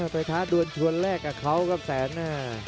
ไปท้าดวนชวนแรกกับเขากับแสนนะ